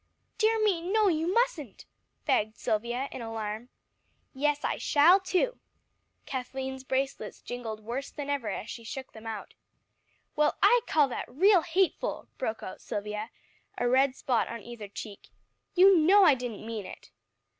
"Dear me! no, you mustn't," begged Silvia in alarm. "Yes, I shall too." Kathleen's bracelets jingled worse than ever as she shook them out. "Well, I call that real hateful," broke out Silvia, a red spot on either cheek, "you know I didn't mean it."